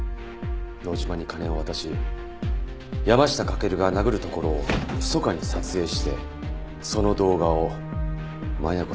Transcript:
野島に金を渡し山下駆が殴るところをひそかに撮影してその動画を真矢子さんに送りつけた。